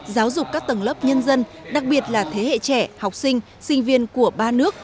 giáo dục các tầng lớp nhân dân đặc biệt là thế hệ trẻ học sinh sinh viên của ba nước